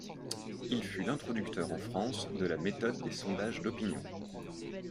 Il fut l'introducteur en France de la méthode des sondages d'opinion.